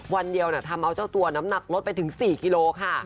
วันเดียวทำเอาเจ้าตัวน้ำหนักลดไปถึง๔กิโลค่ะ